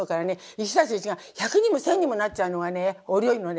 １足す１が１００にも１，０００にもなっちゃうのがねお料理のね